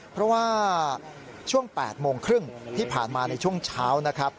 เพราะว่าช่วง๘โมงครึ่งที่ผ่านมาในช่วงเช้านะครับ